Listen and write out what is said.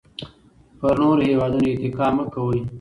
پر نورو هېوادونو اتکا مه کوئ.